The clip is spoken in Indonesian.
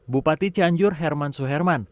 bupati cianjur herman suherman